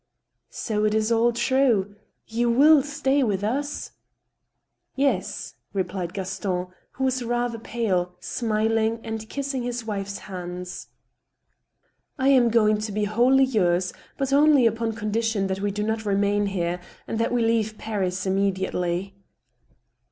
So it is all true ? You will stay with us ?"" Yes,", replied Gaston, who was rather pale, smiling, and kiss ing his wife's hands. " I am going to be wholly yours, but only upon condition that we do not remain here, and that we leave Paris immediately."